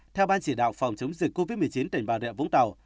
theo ban chỉ đạo phòng chống dịch covid một mươi chín tỉnh bà rịa vũng tàu